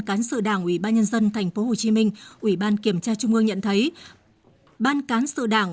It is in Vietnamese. cán sự đảng ủy ban nhân dân tp hcm ủy ban kiểm tra trung ương nhận thấy ban cán sự đảng